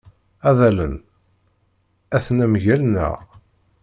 Adalen aten-a mgal-nneɣ.